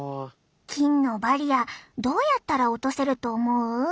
菌のバリアどうやったら落とせると思う？